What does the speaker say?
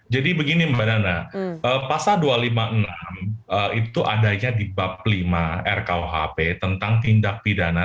jadi begini mbak nana pasal dua ratus lima puluh enam itu adanya di bab lima rkuhp tentang tindak pidana